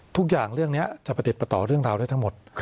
ทุกอย่างเรื่องนี้จะประติดประต่อเรื่องราวได้ทั้งหมด